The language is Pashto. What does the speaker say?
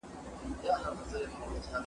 حق پر باطل باندې تل غالب کېږي.